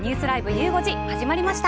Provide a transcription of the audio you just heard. ゆう５時始まりました。